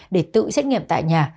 để tự xét nghiệm tại nhà